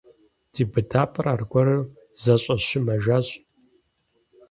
Ди быдапӀэр аргуэру зэщӀэщымэжащ.